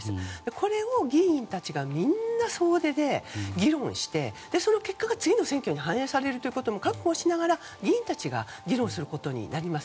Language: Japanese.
これを、議員たちがみんな総出で議論して、それの結果が次の選挙に反映されることも確保しながら、議員たちが議論することになります。